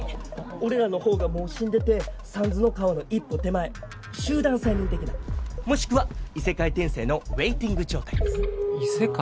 俺らのほうがもう死んでて三途の川の一歩手前集団催眠的なもしくは異世界転生のウエーティング状態異世界？